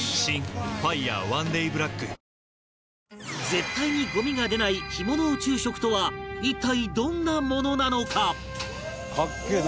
絶対にゴミが出ない干物宇宙食とは一体どんなものなのか？かっけえ！